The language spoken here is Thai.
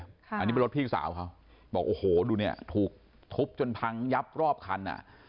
อันนี้เป็นรถพี่สาวเขาบอกโอ้โหดูเนี่ยถูกทุบจนพังยับรอบคันอ่ะ